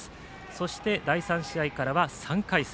そして、第３試合からは３回戦。